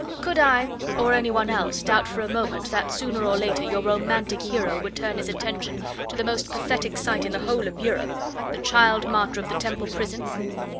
Could I, or any one else, doubt for a moment that sooner or later your romantic hero would turn his attention to the most pathetic sight in the whole of Europe the child martyr in the Temple prison?